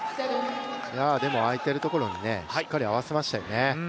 でも空いているところにしっかり合わせましたよね。